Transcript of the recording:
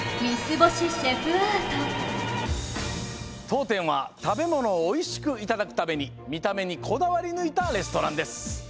とうてんはたべものをおいしくいただくためにみためにこだわりぬいたレストランです。